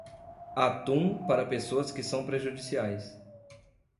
Atum, para pessoas que são prejudiciais.